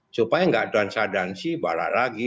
supaya nggak transadansi bala lagi